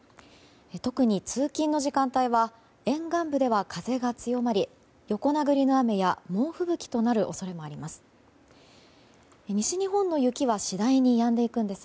特に、通勤の時間帯は沿岸部では風が強まり横殴りの雨や猛吹雪となる恐れもあります。